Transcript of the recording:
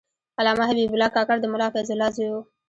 علامه حبیب الله کاکړ د ملا فیض الله زوی و.